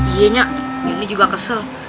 iyenya ini juga kesel